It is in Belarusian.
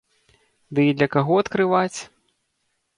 Ды і для каго адкрываць?